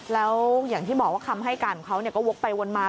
แล้วอย่างที่บอกว่าคำให้การของเขาก็วกไปวนมา